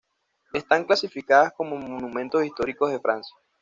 Están clasificadas como "monumentos históricos de Francia".